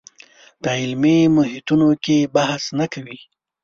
په علمي محیطونو کې بحث نه کوي